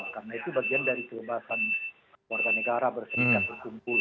karena itu bagian dari kelembasan warga negara bersedia bersumpul